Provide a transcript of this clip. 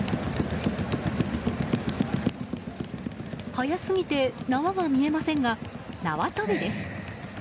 速すぎて縄が見えませんが縄跳びです。